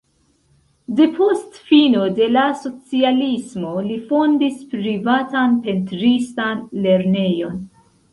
Depost fino de la socialismo li fondis privatan pentristan lernejon.